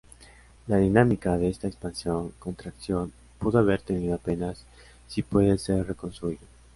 La dinámica de esta expansión-contracción pudo haber tenido apenas si puede ser reconstruida.